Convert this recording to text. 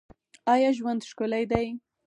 آیا ژوند ښکلی دی؟